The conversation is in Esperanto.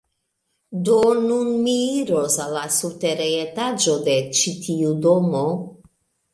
Do, nun mi iros al la subtera etaĝo de ĉi tiu domo